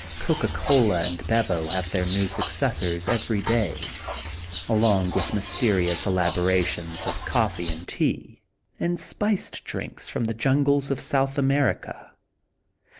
Coca Cola and Bevo have their new successors every day, along with mysterious elaborations of coffee and tea, and spiced drinks from the Jungles of South America.